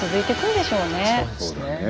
そうですね。